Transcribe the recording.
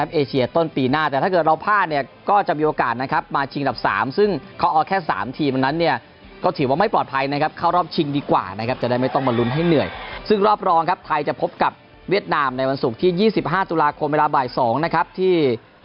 เมื่อก่อนครับไทยจะพบกับเวียดทางในวันศุกร์ที่๒๕ตุลาคมเวลาบาย๒นะครับที่